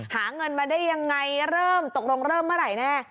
หาเงินมาได้ยังไงเริ่มตกลงเริ่มเมื่อไหร่แน่